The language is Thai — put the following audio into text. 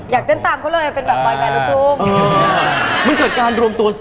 อยากเต้นต่างเขาเลยเป็นแบบไยกานดุกทุ่ม